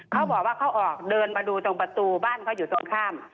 เขาบอกว่าเขาออกเดินมาดูตรงประตูบ้านเขาอยู่ตรงข้าม